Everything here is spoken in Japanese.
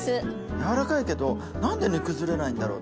柔らかいけど何で煮崩れないんだろう？